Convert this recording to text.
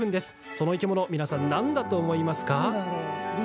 その生き物皆さん、何だと思いますか？